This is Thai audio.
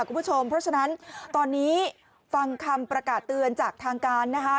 คุณผู้ชมเพราะฉะนั้นตอนนี้ฟังคำประกาศเตือนจากทางการนะคะ